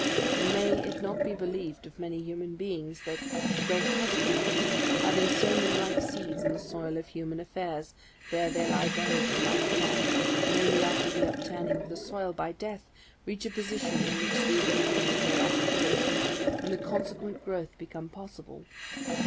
And may it not be believed of many human beings, that, the Great Husbandman having sown them like seeds in the soil of human affairs, there they lie buried a life long; and only after the upturning of the soil by death reach a position in which the awakening of their aspiration and the consequent growth become possible.